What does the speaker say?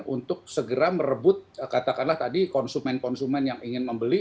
untuk segera merebut katakanlah tadi konsumen konsumen yang ingin membeli